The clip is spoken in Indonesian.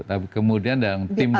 tapi kemudian dalam tim dokter